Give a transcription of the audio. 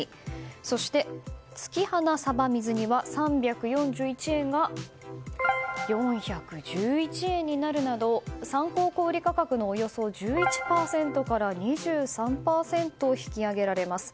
そして、月花さば水煮は３４１円が４１１円になるなど参考小売価格のおよそ１１％から２３％引き上げられます。